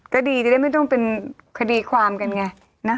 ก็ดีจะได้ไม่ต้องเป็นคดีความกันไงนะ